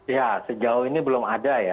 ya sejauh ini belum ada ya